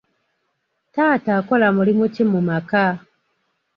Taata akola mulimu ki mu maka?